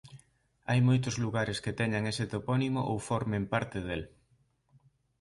Hai moitos lugares que teñan ese topónimo ou formen parte del.